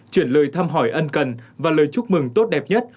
chuyển lời thăm hỏi ân cần và lời chúc mừng tốt đẹp nhất